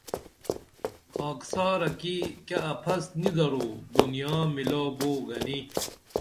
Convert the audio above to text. خاکسارہ کی کیہ اپھس نی درو دنیا میلو بو گنی